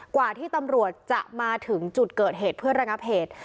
กว่าที่ตำรวจจะมาถึงจุดเกิดเหตุเพื่อระงับเหตุ